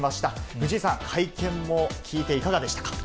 藤井さん、会見を聞いて、いかがでしたか？